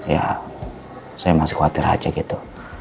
ya saya masih khawatir aja gitu